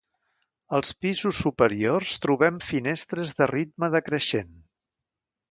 Als pisos superiors trobem finestres de ritme decreixent.